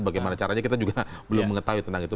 bagaimana caranya kita juga belum mengetahui tentang itu